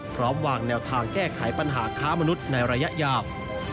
พร้อมวางแนวทางแก้ไขปัญหาค้ามนุษย์ในระยะยาว